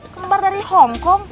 kembar dari hongkong